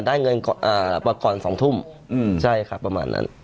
ได้เงินอ่าประกอมสองทุ่มอืมใช่ค่ะประมาณนั้น